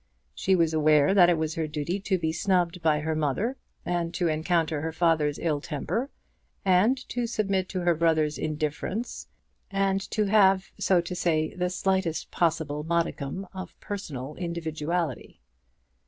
She was aware that it was her duty to be snubbed by her mother, and to encounter her father's ill temper, and to submit to her brother's indifference, and to have, so to say, the slightest possible modicum of personal individuality.